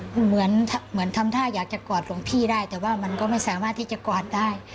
เหมือนเหมือนทำท่าอยากจะกอดหลวงพี่ได้แต่ว่ามันก็ไม่สามารถที่จะกอดได้